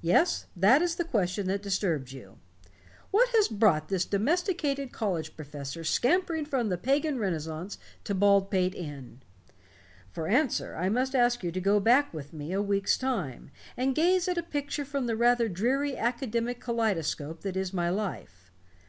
Yes, that is the question that disturbs you. What has brought this domesticated college professor scampering from the Pagan Renaissance to Baldpate Inn? For answer, I must ask you to go back with me a week's time, and gaze at a picture from the rather dreary academic kaleidoscope that is my life.